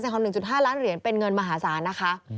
ของ๑๕ล้านเหรียญเป็นเงินมหาศาลนะคะ